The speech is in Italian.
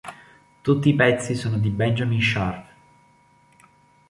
Tutti i pezzi sono di Benjamin Sharp.